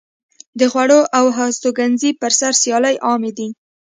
د خوړو او هستوګنځي پر سر سیالۍ عامې دي.